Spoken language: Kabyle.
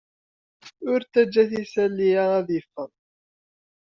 Ur ttajjat isali-a ad yeffeɣ.